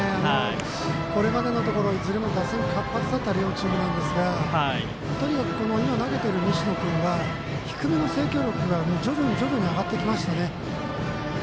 これまでのところいずれも打線活発だった両チームなんですがとにかく今、投げている西野君は、低めの制球力が徐々に徐々に上がってきましたね。